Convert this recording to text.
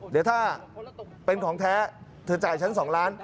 เดี๋ยวถ้าเป็นของแท้เธอจ่ายฉัน๒ล้าน